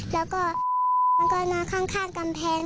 แล้วก็มันก็มาข้างกำแพง